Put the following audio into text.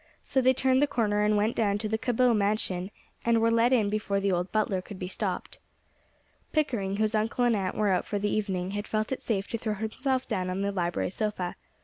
So they turned the corner and went down to the Cabot mansion, and were let in before the old butler could be stopped. Pickering, whose uncle and aunt were out for the evening, had felt it safe to throw himself down on the library sofa.